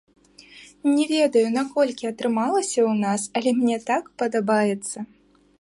Не ведаю, наколькі атрымалася ў нас, але мне так падабаецца.